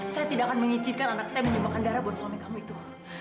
saya tidak akan mengizinkan anak saya menyumbangkan darah buat suami kamu itu